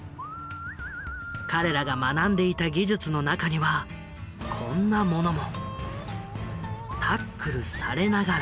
彼らが学んでいた技術の中にはこんなものも。